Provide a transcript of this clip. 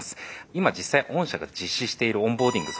今実際御社が実施しているオンボーディング